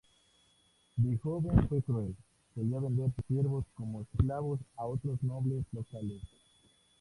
De joven fue cruel; solía vender sus siervos como esclavos a otros nobles locales.